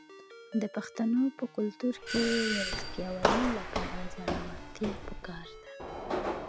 د پښتنو په کلتور کې د ریښتیا ویلو لپاره زړورتیا پکار ده.